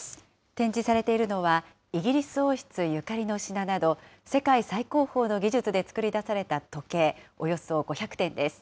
展示されているのは、イギリス王室ゆかりの品など、世界最高峰の技術で創り出された時計、およそ５００点です。